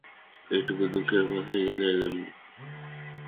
এইটুকু দুঃখের কথাই জানাইলাম।